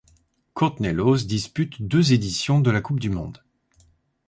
Courtney Lawes dispute deux éditions de la Coupe du monde.